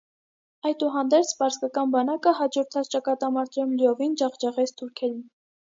Այդուհանդերձ, պարսկական բանակը հաջորդած ճակատամարտում լիովին ջախջախեց թուրքերին։